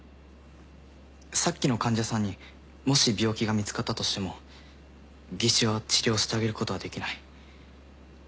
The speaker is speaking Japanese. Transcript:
さっきの患者さんにもし病気が見つかったとしても技師は治療してあげることはできない。